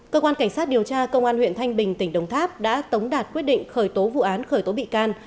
cơ quan cảnh sát điều tra công an huyện thanh bình tỉnh đồng tháp đã tống đạt quyết định khởi tố vụ án khởi tố bị can